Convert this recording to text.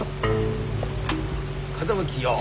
風向きよし。